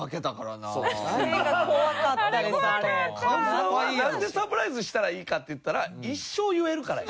なんでサプライズしたらいいかっていったら一生言えるから。